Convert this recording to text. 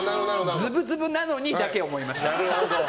ズブズブなのにだけ思いました。